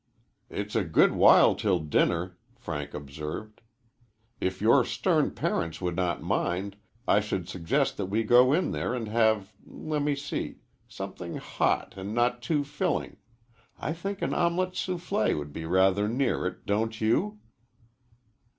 "It's a good while till dinner," Frank observed. "If your stern parents would not mind, I should suggest that we go in there and have, let me see something hot and not too filling I think an omelette soufflé would be rather near it, don't you?"